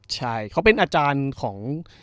ใช่เขาเป็นอาจารย์ของ